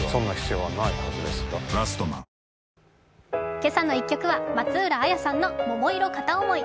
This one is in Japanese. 「けさの１曲」は松浦亜弥さんの「桃色片想い」。